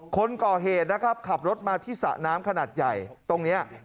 คนก่อเหตุนะครับขับรถมาที่สระน้ำขนาดใหญ่ตรงนี้